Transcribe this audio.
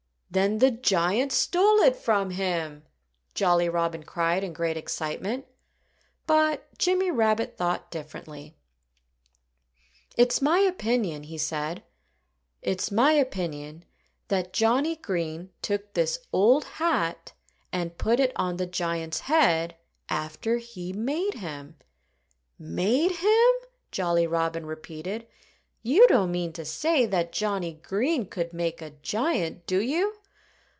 "Then the giant stole it from him!" Jolly Robin cried in great excitement. But Jimmy Rabbit thought differently. "It's my opinion " he said "it's my opinion that Johnnie Green took this old hat and put it on the giant's head, after he had made him." "Made him!" Jolly Robin repeated. "You don't mean to say that Johnnie Green could make a giant, do you?"